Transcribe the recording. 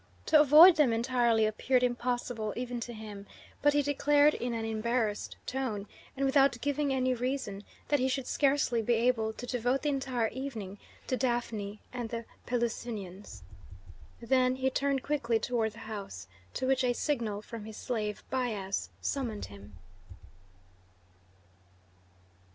To avoid them entirely appeared impossible even to him, but he declared in an embarrassed tone, and without giving any reason, that he should scarcely be able to devote the entire evening to Daphne and the Pelusinians. Then he turned quickly toward the house, to which a signal from his slave Bias summoned him.